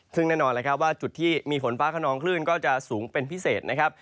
ซึ่งแน่นอนแล้วครับว่าจุดที่มีฝนฟ้าขนองคลื่นก็จะสูงเป็นพิเศษนะครับ